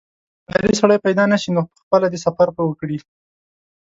که اعتباري سړی پیدا نه شي نو پخپله دې سفر وکړي.